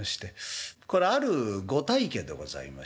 これはあるご大家でございまして。